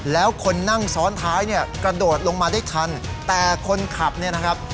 แล้วคนนั่งซ้อนท้ายเนี่ยกระโดดลงมาได้ทันแต่คนขับเนี่ยนะครับ